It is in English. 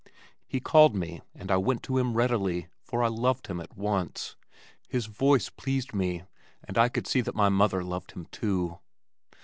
He called me and I went to him readily for I loved him at once. His voice pleased me and I could see that my mother loved him too.